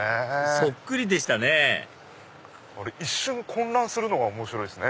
そっくりでしたね一瞬混乱するのが面白いですね。